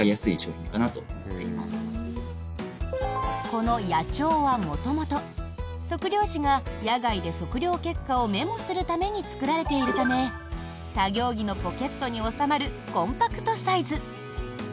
この野帳は元々、測量士が野外で測量結果をメモをするために作られているため作業着のポケットに収まるコンパクトサイズ。